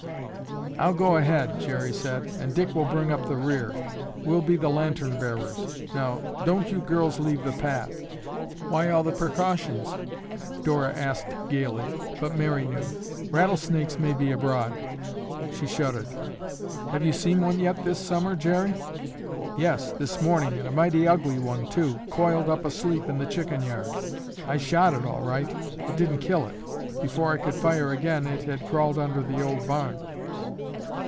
"I'll go ahead," Jerry said, "and Dick will bring up the rear. We'll be the lantern bearers. Now, don't you girls leave the path." "Why all the precautions?" Dora asked gaily, but Mary knew. "Rattlesnakes may be abroad." She shuddered. "Have you seen one yet this summer, Jerry?" "Yes, this morning, and a mighty ugly one too; coiled up asleep in the chicken yard. I shot it, all right, but didn't kill it. Before I could fire again, it had crawled under the old barn."